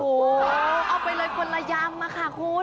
โอ้โหเอาไปเลยคนละยำค่ะคุณ